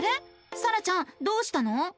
さらちゃんどうしたの？